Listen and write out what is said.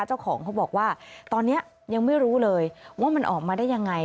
เจ้าของเขาบอกว่าตอนนี้ยังไม่รู้เลยว่ามันออกมาได้ยังไง